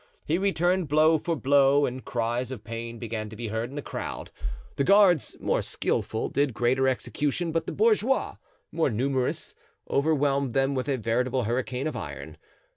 He returned blow for blow and cries of pain began to be heard in the crowd. The guards, more skillful, did greater execution; but the bourgeois, more numerous, overwhelmed them with a veritable hurricane of iron.